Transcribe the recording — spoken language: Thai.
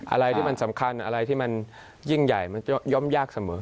อะไรที่มันสำคัญอะไรที่มันยิ่งใหญ่มันย่อมยากเสมอ